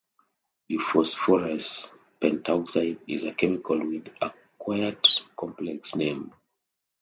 Diphosphorous Pentaoxide is a chemical with a quite complex name.